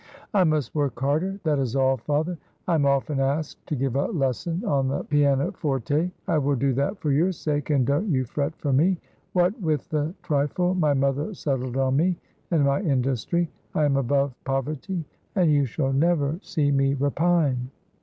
"I must work harder, that is all, father. I am often asked to give a lesson on the piano forte; I will do that for your sake, and don't you fret for me. What with the trifle my mother settled on me and my industry, I am above poverty, and you shall never see me repine."